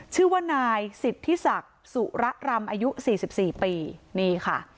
ชื่อว่านายสิทธิศักดิ์สุระรำอายุสี่สิบสี่ปีนี่ค่ะ